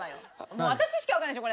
もう私しかわからないでしょ